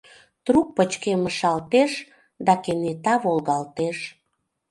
Трук пычкемышалтеш да кенета волгалтеш.